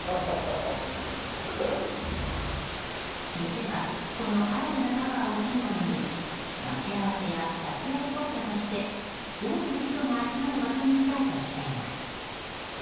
店はこの新たなタワーをシンボルに待ち合わせや撮影スポットとして多くの人が集まる場所にしたいとしています。